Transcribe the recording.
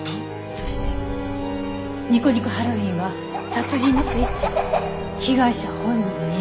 そしてにこにこハロウィーンは殺人のスイッチを被害者本人に入れさせた。